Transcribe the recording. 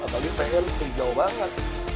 apalagi prt jauh banget